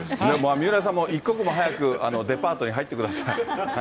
三浦さんも一刻も早くデパートに入ってください。